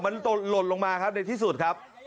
มันหล่นลงมาครับในที่สุดครับ